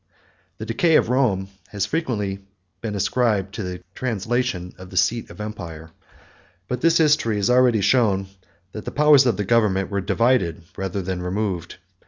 The decay of Rome has been frequently ascribed to the translation of the seat of empire; but this History has already shown, that the powers of government were divided, rather than removed.